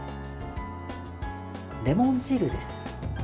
レモン汁です。